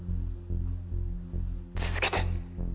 続けて。